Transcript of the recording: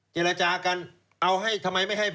เจรจากันเอาให้ทำไมไม่ให้